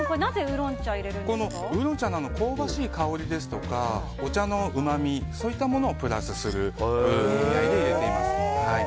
ウーロン茶の香ばしい香りですとかお茶のうまみといったものをプラスする意味合いで入れています。